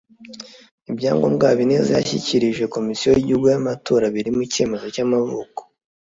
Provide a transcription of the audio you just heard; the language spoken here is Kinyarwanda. Ibyangombwa Habineza yashyikirije Komisiyo y’Igihugu y’Amatora birimo icyemezo cy’amavuko